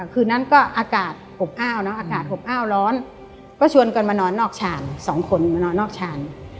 คืนนั้นก็อากาศอบอ้าวเนอะอากาศอบอ้าวร้อนก็ชวนกันมานอนนอกชานสองคนมานอนนอกชาน